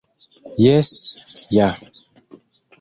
Jes, ja.